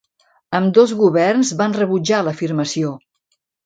Ambdós governs van rebutjar l'afirmació.